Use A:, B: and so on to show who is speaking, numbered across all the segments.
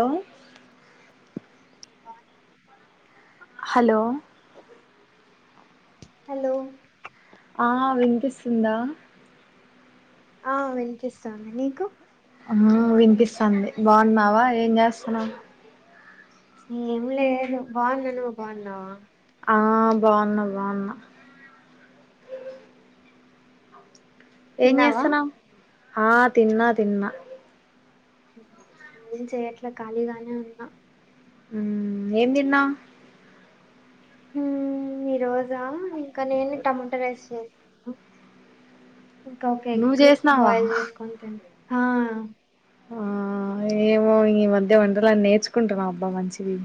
A: ఆ
B: బాంది
A: hello
B: hello
A: ఆ వినిపిస్తుందా
B: ఆ వినిపిస్తాంది నీకు
A: ఆ వినిపిస్తాంది బాగున్నావా ఏం చేస్తున్నావ్
B: ఏం లేదు బాగున్నా నువ్వు బాన్నావా
A: ఆ బాగున్న బాగున్నా ఏం
B: తిన్నావా
A: చేస్తున్నావ్ ఆ తిన్నా తిన్నా
B: మ్మ్ ఏం చేయట్లే కాలీగానే ఉన్నా
A: మ్మ్ ఏంతిన్నావ్
B: ఉమ్మ్ ఈరోజా ఇంకా నేను టమటా రైస్ చే ఇంకా ఒక
A: నువ్వు
B: ఎగ్
A: చేసినావా
B: బాయిల్ చేసుకొని తింట హా
A: ఆ ఏమో ఈ మధ్య వంటలని నేర్చుకుంటున్నావబ్బా మంచిది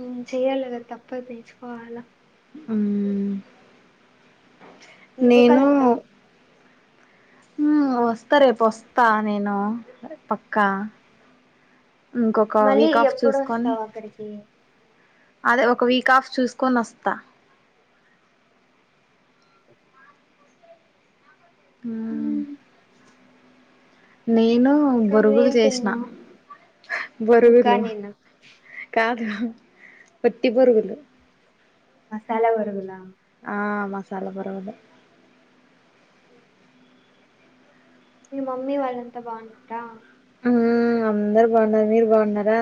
B: ఉమ్మ్ చెయ్యాల కదా తప్పదు నేర్చుకోవాలా
A: ఉమ్మ్
B: ఎప్పుడు కలుద్దాం
A: ఉమ్మ్ వస్తే రేపోస్తా నేను పక్కా ఇంకొక
B: మళ్ళీ
A: వీక్ ఆఫ్
B: ఎప్పుడు
A: చూసుకొని
B: వస్తావు అక్కడికి
A: అదే ఒక వీక్ ఆఫ్ చూసుకొని వస్తా ఉమ్మ్
B: మ్మ్,
A: నేను
B: ఇంకా
A: బొరుగులు
B: నువ్వేం
A: చేసిన
B: తిన్నావ్
A: బొరుగులు
B: ఉగ్గానినా
A: కా వత్తి బొరుగులు
B: మసాలా బొరుగుల
A: ఆ మసాలా బొరుగులే
B: మీ మమ్మీ వాళ్ళంతా బాగున్నారా
A: ఉమ్మ్ అందరు బాగున్నారు మీరు బాగున్నారా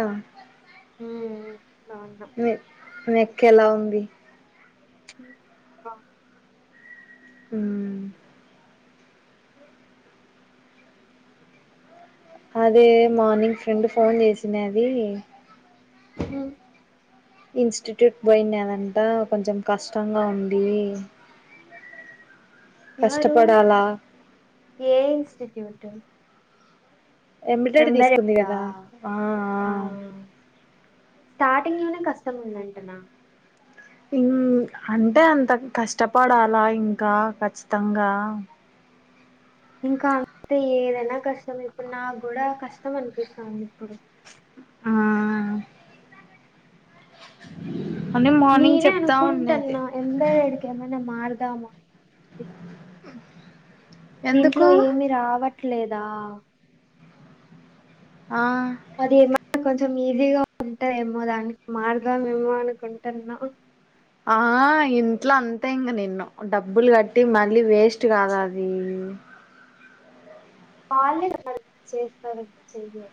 B: ఉమ్మ్
A: మే మీ యేక్క ఎలా ఉంది
B: బా
A: ఉమ్మ్ అదే మార్నింగ్ ఫ్రెండ్ ఫోన్ చేసినది
B: ఉమ్మ్
A: ఇన్స్టిట్యూట్ పోయినదంట కొంచెం కష్టంగా ఉంది అ
B: ఎవరు ఏ ఇన్స్టిట్యూట్
A: ఎమ్మిటేడ్ తీసుకుంది
B: ఎంబెడెడ్దా
A: కదా ఆ ఆ
B: స్టార్టింగ్ లోనే కష్టం ఉందంటనా
A: ఇం అంటే అంత కష్టపడాలా ఇంకా ఖచ్చితంగా
B: ఇంకా అంతే ఏదైనా కష్టమే ఇప్పుడు నాకూడా కష్టం అనిపిస్తంది ఇప్పుడు
A: ఆ అని మార్నింగ్
B: నేనే
A: చెప్తా ఉన్నది
B: అనుకుంటాన్నా యంబరేడ్‌కి ఏమన్నా మారదామా దీంట్లో
A: ఎందుకు
B: ఏమి రావట్లేదా
A: ఆ
B: అది ఏమ కొంచెం ఈజీగా ఉంటాయేమో దానికి మారదామేమో అనుకుంటున్నా
A: ఆ ఇంట్లో అంతే ఇంకా నిన్ను డబ్బులు కట్టి మళ్ళీ వేస్ట్ కాదా అది మ్మ్
B: వాళ్లే కరెక్ట్ చేస్తారో చేయ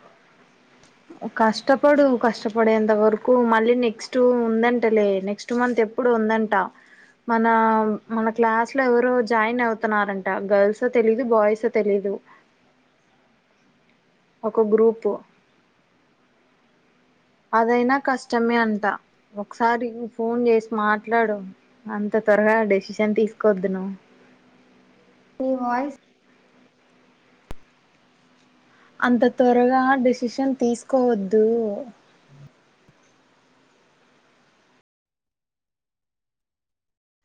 A: కష్టపడు కష్టపడేంత వరకు మళ్ళీ నెక్స్ట్ ఉందంటలే నెక్స్ట్ మంత్ ఎ ప్పుడు ఉందంట మన మన క్లాస్లో ఎవరో జాయిన్ అవుతున్నారంట గర్ల్సో తెలీదు బాయ్సో తెలీ దు ఒక గ్రూపు అదైనా కష్టమే అంట ఒకసారి ఫోన్ జేసి మాట్లాడు అంత త్వరగా డెసిషన్ తీసుకోవద్దు నువ్
B: మీ వాయిస్
A: అంత తొరగా డిసిషన్ తీసుకోవద్దూ